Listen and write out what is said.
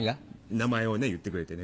名前をね言ってくれてね。